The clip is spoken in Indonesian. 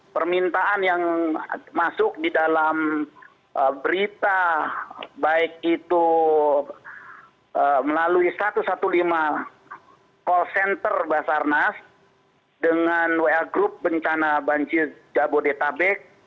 permintaan yang masuk di dalam berita baik itu melalui satu ratus lima belas call center basarnas dengan wa group bencana banjir jabodetabek